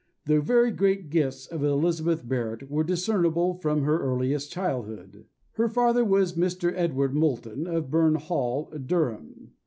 The very great gifts of Elizabeth Barrett were discernible from her earliest childhood. Her father was Mr. Edward Moulton, of Burn Hall, Durham.